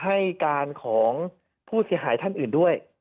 ให้การของผู้เสียหายท่านอื่นด้วย